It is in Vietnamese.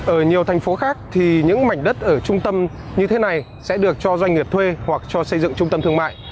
ở nhiều thành phố khác thì những mảnh đất ở trung tâm như thế này sẽ được cho doanh nghiệp thuê hoặc cho xây dựng trung tâm thương mại